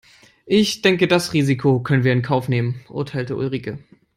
"Ich denke das Risiko können wir in Kauf nehmen", urteilte Ulrike.